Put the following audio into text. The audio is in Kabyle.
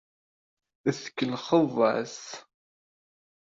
Tkellxeḍ-as.